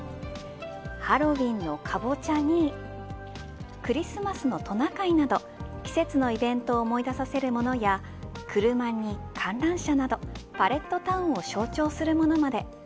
ハロウィンのカボチャにクリスマスのトナカイなど季節のイベントを思い出させるものや車に、観覧車などパレットタウンを象徴するものまで。